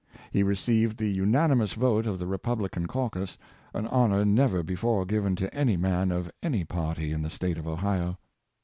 He received the unanimous vote of the Republican caucus, an honor never before given to any man of any party in the State of Ohio.